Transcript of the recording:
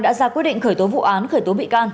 đã ra quyết định khởi tố vụ án khởi tố bị can